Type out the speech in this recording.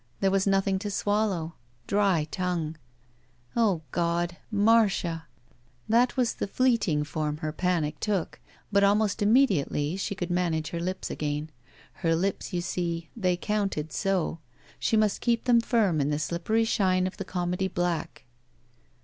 There was nothing to swallow! Dry tongue. O God! Marda! That was the fleeting form her panic took, but almost immediately she could manage her lips again. Her lips, you see, they counted so! She must keep them firm in the slippery shine of the comedy black.